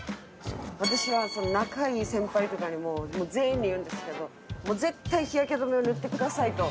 私は仲いい先輩とかにもう全員に言うんですけど絶対日焼け止めを塗ってくださいと。